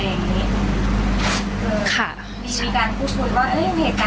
เห็นเขียนไว้ว่าแหล่งข่าวจากเพื่อนตำรวจ